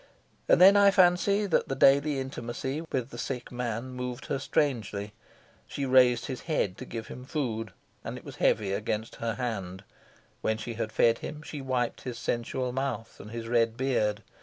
And then I fancy that the daily intimacy with the sick man moved her strangely. She raised his head to give him food, and it was heavy against her hand; when she had fed him she wiped his sensual mouth and his red beard.